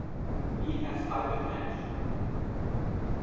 He has hypertension.